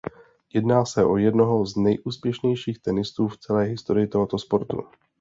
Jedná se o jednoho z nejúspěšnějších tenistů v celé historii tohoto sportu.